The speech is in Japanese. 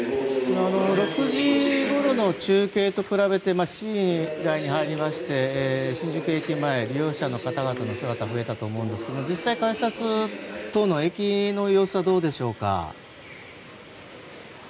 ６時ごろの中継と比べて７時台に入りまして新宿駅前、利用者の方々の姿が増えたと思うんですが実際、改札に通る様子はどうでしょうか？